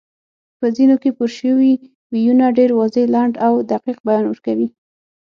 په ځینو کې پورشوي ویونه ډېر واضح، لنډ او دقیق بیان ورکوي